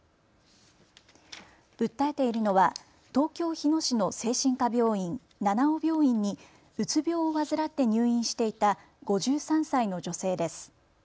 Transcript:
訴えているのは東京日野市の精神科病院、七生病院にうつ病を患って入院していた５３歳の女性です。